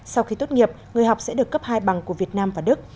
sau khi tốt nghiệp người học sẽ được cấp hai bằng của việt nam và đức